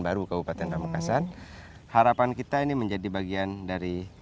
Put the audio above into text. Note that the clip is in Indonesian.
baru kabupaten pamekasan harapan kita ini menjadi bagian dari